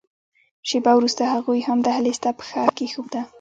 شېبه وروسته هغوی هم دهلېز ته پښه کېښوده.